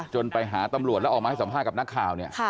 จนไปหาตำรวจแล้วออกมาสัมภาษณ์กับนักข่าว